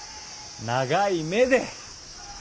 長い目で。